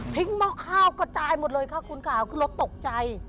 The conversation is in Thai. ทิ้งเมาะข้าวก็จ่ายหมดเลยค่ะคุณค่าคือรถตกใจ